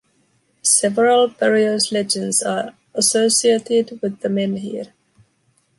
Several various legends are associated with the menhir.